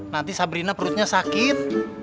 nanti sabrina perutnya sakit